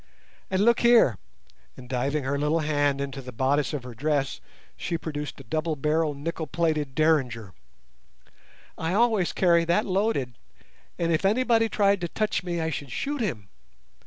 And look here," and diving her little hand into the bodice of her dress she produced a double barrelled nickel plated Derringer, "I always carry that loaded, and if anybody tried to touch me I should shoot him.